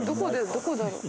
どこだろう？